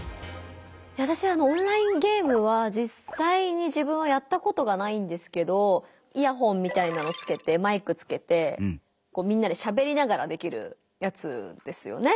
わたしはオンラインゲームはじっさいに自分はやったことがないんですけどイヤホンみたいなのつけてマイクつけてみんなでしゃべりながらできるやつですよね。